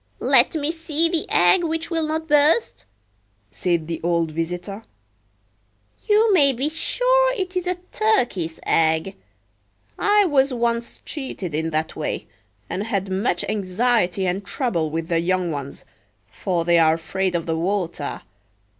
"Let me see the egg which will not burst," said the old visitor. "You may be sure it is a turkey's egg. I was once cheated in that way, and had much anxiety and trouble with the young ones, for they are afraid of the water.